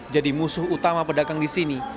jadi musuh utama pedagang di sini